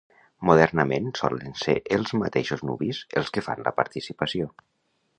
Modernament solen ser els mateixos nuvis els que fan la participació.